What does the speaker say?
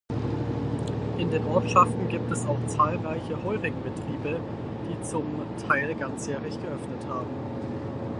In den Ortschaften gibt es auch zahlreiche Heurigen-Betriebe, die zum Teil ganzjährig geöffnet haben.